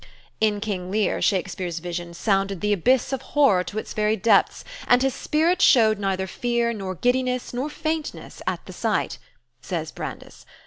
"In 'King Lear,' Shakespeare's vision sounded the abyss of horror to its very depths, and his spirit showed neither fear, nor giddiness, nor faintness, at the sight," says Brandes.